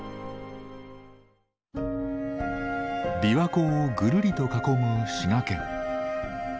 琵琶湖をぐるりと囲む滋賀県。